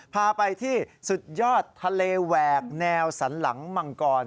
พาไปที่สุดยอดทะเลแหวกแนวสันหลังมังกร